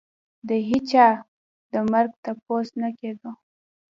د هېچا د مرګ تپوس نه کېدو.